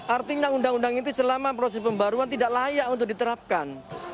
artinya undang undang ini selama proses pembaruan tidak layak untuk diterapkan